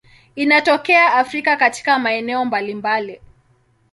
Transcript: Inatokea Afrika katika maeneo mbalimbali.